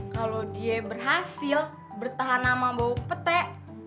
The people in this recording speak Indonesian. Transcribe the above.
kalau dia berhasil bertahan sama bau petek